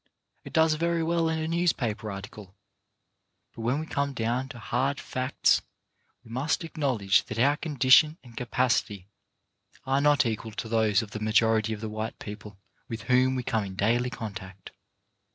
It does very well in a newspaper article, but when we come down to hard facts we must acknowledge that our condition and capacity are not equal to those of the majority of the white people with whom we come in daily contact.